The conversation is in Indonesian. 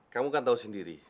kamu kan tahu sendiri